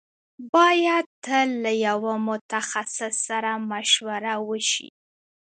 بايد تل له يوه متخصص سره مشوره وشي.